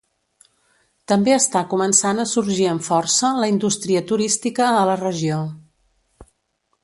També està començant a sorgir amb força la indústria turística a la regió.